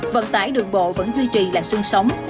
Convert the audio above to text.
vận tải đường bộ vẫn duy trì là sương sống